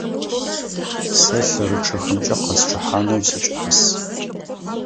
Сэ лъэрычъэхэмкӀэ къэсчъыхьанэу сикӀас.